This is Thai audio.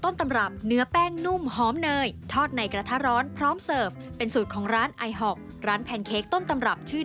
นับเป็นสาขาที่๑๗๕๘ของโลกค่ะ